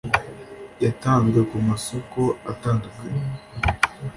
Yatanzwe ku masoko atandukanye